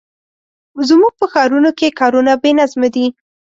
زموږ په ښارونو کې کارونه بې نظمه دي.